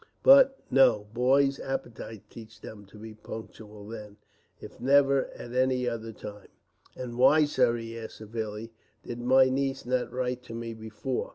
But, no; boys' appetites teach them to be punctual then, if never at any other time. "And why, sir?" he asked severely, "Did my niece not write to me before?"